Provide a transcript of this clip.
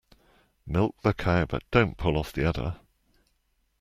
Milk the cow but don't pull off the udder.